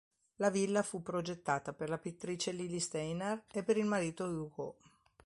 La villa fu progettata per la pittrice Lilly Steiner e per il marito Hugo.